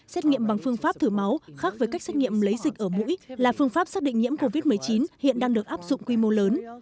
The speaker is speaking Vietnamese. xét nghiệm bằng phương pháp thử máu khác với cách xét nghiệm lấy dịch ở mũi là phương pháp xác định nhiễm covid một mươi chín hiện đang được áp dụng quy mô lớn